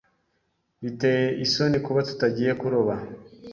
Biteye isoni kuba tutagiye kuroba.